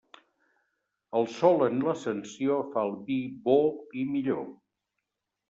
El sol en l'Ascensió fa el vi bo i millor.